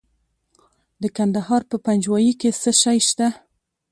د کندهار په پنجوايي کې څه شی شته؟